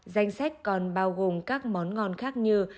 danh sách còn bao gồm các món ngon khác như